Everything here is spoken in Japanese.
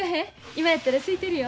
今やったらすいてるよ。